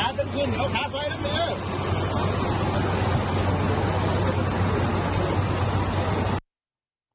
เอาขาเป็นกินเอาขาซอยด้วย